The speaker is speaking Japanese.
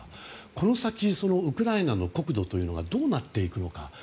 この先、ウクライナの国土はどうなっていくのか。